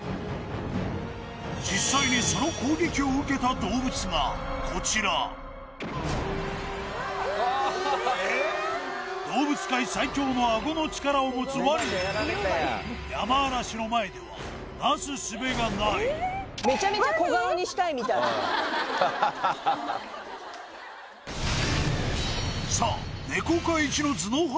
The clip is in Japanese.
実際にその攻撃を受けた動物がこちら動物界最強のアゴの力を持つワニでもヤマアラシの前ではなすすべがないめちゃめちゃ小顔にしたいみたいさあネコ科イチの頭脳派